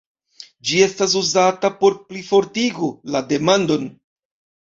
Ĝi estas uzata por plifortigo la demandon.